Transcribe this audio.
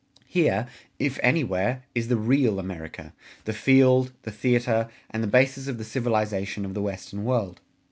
Here, if anywhere, is the real America the field, the theater, and the basis of the civilization of the Western World.